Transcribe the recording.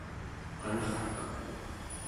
qanerpak